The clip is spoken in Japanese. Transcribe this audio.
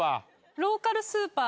ローカルスーパー。